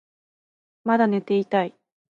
まだ寝ていたい